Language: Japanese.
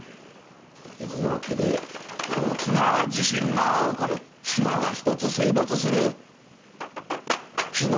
伊豆沖で大きな地震が起こる島が１つ水没する日之